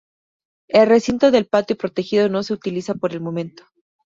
El recinto del patio protegido no se utiliza por el momento.